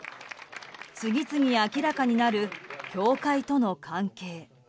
次々、明らかになる教会との関係。